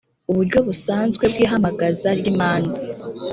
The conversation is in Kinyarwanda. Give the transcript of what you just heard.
uburyo busanzwe bw’ ihamagaza ry ‘imanza.